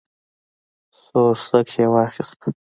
سوکړک یې واخیست.